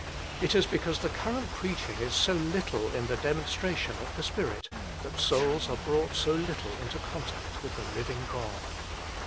It is because the current preaching is so little in the demonstration of the Spirit that souls are brought so little into contact with the living God.